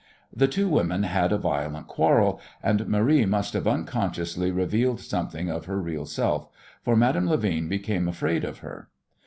The two women had a violent quarrel, and Marie must have unconsciously revealed something of her real self, for Madame Levin became afraid of her.